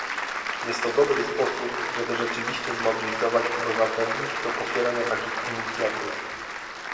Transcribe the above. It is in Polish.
Jest to dobry sposób, żeby rzeczywiście zmobilizować obywateli do popierania takich inicjatyw